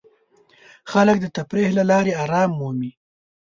خلک د تفریح له لارې آرام مومي.